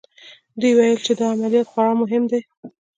دوی ویل چې دا عملیات خورا مهم دی